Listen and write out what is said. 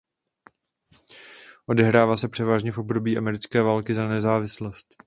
Odehrává se převážně v období Americké války za nezávislost.